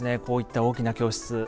こういった大きな教室。